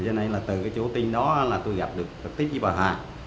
cho nên là từ cái chỗ tin đó là tôi gặp được thật tích với bà hà